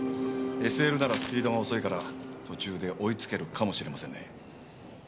ＳＬならスピードが遅いから途中で追い付けるかもしれませんね。